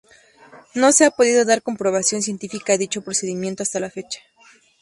No se ha podido dar comprobación científica a dicho procedimiento hasta la fecha.